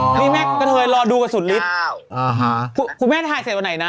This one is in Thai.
คุณแม่กระเทยรอดูกันสุดลิศนี่นี่ครับคุณแม่แอนถ่ายเสร็จไว้ไหนนะ